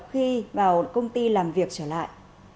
khi vào công ty làm việc trở lại